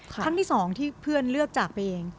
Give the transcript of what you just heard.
ครั้งที่๒ที่เพื่อนเลือกจากไปเอง